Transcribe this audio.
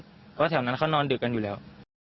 เพราะแถวนั้นเขานอนดึกกันอยู่แล้ว